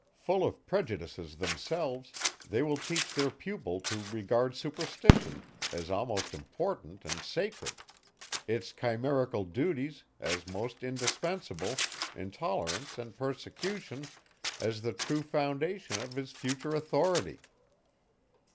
Full of prejudices themselves, they will teach their pupil to regard superstition, as most important and sacred; its chimerical duties, as most indispensable, intolerance and persecution, as the true foundation of his future authority.